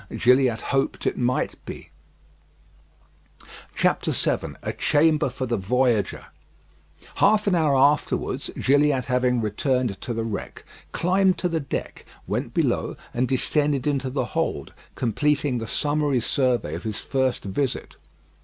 Gilliatt hoped it might be. VII A CHAMBER FOR THE VOYAGER Half an hour afterwards, Gilliatt having returned to the wreck, climbed to the deck, went below, and descended into the hold, completing the summary survey of his first visit.